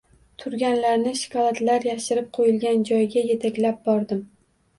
Turganlarni shokoladlar yashirib qo‘yilgan joyga yetaklab bordim